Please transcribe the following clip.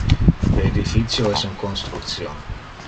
Le edificio es in construction.